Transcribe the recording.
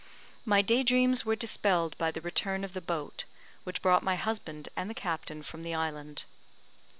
My daydreams were dispelled by the return of the boat, which brought my husband and the captain from the island.